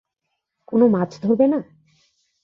কোনো মাছ ধরবে না?